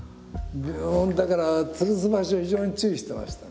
だからつるす場所を非常に注意してましたね。